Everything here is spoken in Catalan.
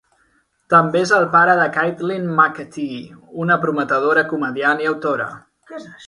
També és el pare de Caitlin Macatee, una prometedora comediant i autora.